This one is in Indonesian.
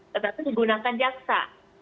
tetapi menggunakan jaksa